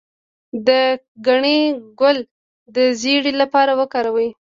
د ګنی ګل د زیړي لپاره وکاروئ